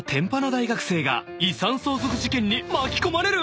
［遺産相続事件に巻き込まれる！？］